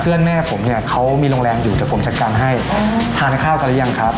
แม่ผมเนี่ยเขามีโรงแรมอยู่เดี๋ยวผมจัดการให้ทานข้าวกันหรือยังครับ